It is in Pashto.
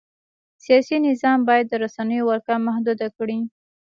سیاسي نظام باید د رسنیو ولکه محدوده کړي.